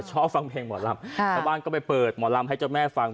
ชอบฟังเพลงหมอลำชาวบ้านก็ไปเปิดหมอลำให้เจ้าแม่ฟัง